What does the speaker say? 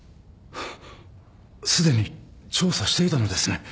すでに調査していたのですね。